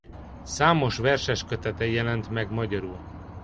Számos verseskötete jelent meg magyarul.